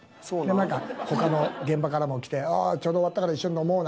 なんか他の現場からも来て「ちょうど終わったから一緒に飲もう」